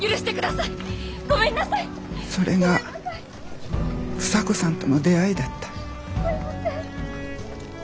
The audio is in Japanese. それが房子さんとの出会いだった。